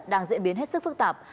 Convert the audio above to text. đang diễn biến hết sức phức tạp